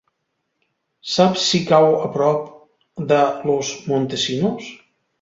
Saps si cau a prop de Los Montesinos?